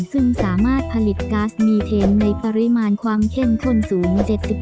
ซึ่งสามารถผลิตก๊าซมีเทนในปริมาณความเข้มข้นสูง๗๐